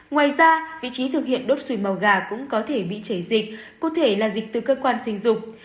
ngoài ra vị trí thực hiện đốt sùi màu gà cũng có thể bị chảy dịch cụ thể là dịch từ cơ quan sinh dục